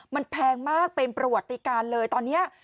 มันแพงมากเป็นประวัติการเลยตอนนี้